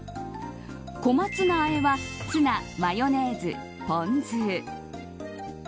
こまツナ和えはツナ、マヨネーズ、ポン酢。